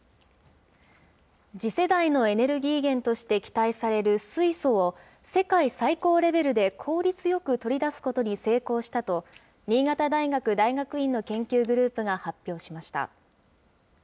次世代のエネルギー源として期待される水素を、世界最高レベルで効率よく取り出すことに成功したと、新潟大学大学院の研究グループが発表しました。